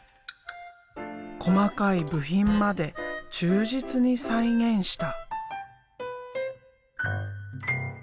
細かい部品まで忠実に再現した。